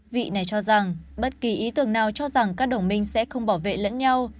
vị này cho rằng bất kỳ ý tưởng nào cho rằng các đồng minh sẽ không bảo vệ lẫn nhau